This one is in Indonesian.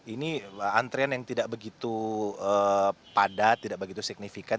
ini antrian yang tidak begitu padat tidak begitu signifikan